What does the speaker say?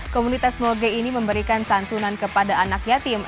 komunitas moge ini memberikan santunan kepada anak yatim